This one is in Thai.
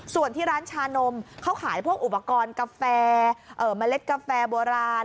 ส่วนที่ร้านชานมเขาขายพวกอุปกรณ์กาแฟเมล็ดกาแฟโบราณ